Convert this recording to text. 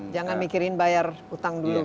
jangan mikirin bayar utang dulu